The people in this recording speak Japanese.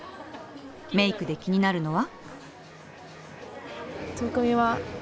メークで気になるのは？